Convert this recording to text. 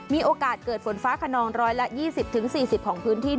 มีโอกาสเกิดฝนฟ้าขนอง๑๒๐๔๐ของพื้นที่